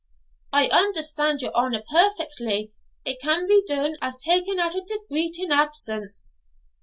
'I understand your honour perfectly; it can be dune as easy as taking out a decreet in absence.'